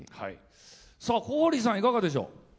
小堀さん、いかがでしょう。